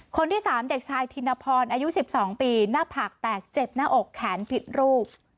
คนที่๓เด็กชายธินพรอายุ๑๒ปีหน้าผากแตกเจ็บหน้าอกแขนผิดรูป